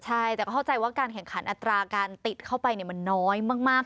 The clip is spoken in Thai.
ใช่แต่ก็เข้าใจว่าการแข่งขันอัตราการติดเข้าไปมันน้อยมาก